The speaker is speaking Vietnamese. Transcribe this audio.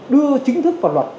đưa chính thức vào luật